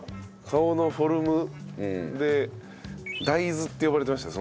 顔のフォルムで「大豆」って呼ばれてました。